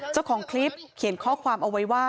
เจ้าของคลิปเขียนข้อความเอาไว้ว่า